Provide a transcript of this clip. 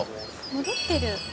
戻ってる。